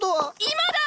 今だ！